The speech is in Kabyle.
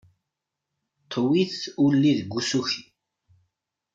Ṭwint wulli deg usuki.